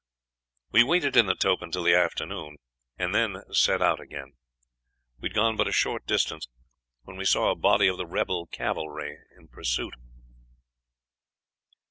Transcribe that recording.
We waited in the tope until the afternoon, and then set out again. "We had gone but a short distance when we saw a body of the rebel cavalry in pursuit.